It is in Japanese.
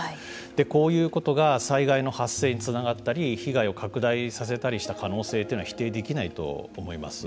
こういうことが災害の発生につながったり被害を拡大させたりした可能性というのは否定できないと思います。